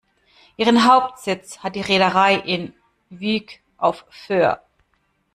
Ihren Hauptsitz hat die Reederei in Wyk auf Föhr.